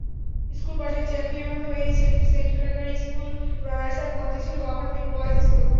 School পর্যায়ে champion হয়েছে saint Gregory high school, runners up Motijheel government boys school.